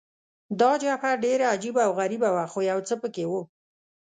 دا جبهه ډېره عجبه او غریبه وه، خو یو څه په کې وو.